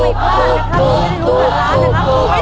ไม่กล้านะครับไม่ได้รู้กันแล้วนะครับ